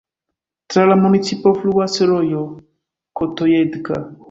Tra la municipo fluas rojo Kotojedka.